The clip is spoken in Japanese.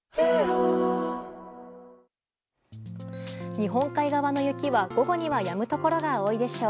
日本海側の雪は、午後にはやむところが多いでしょう。